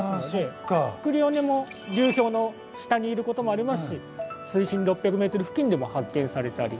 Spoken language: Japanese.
クリオネも流氷の下にいることもありますし水深６００ｍ付近でも発見されたり。